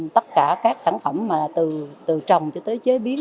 tất cả các sản phẩm từ trồng cho tới chế biến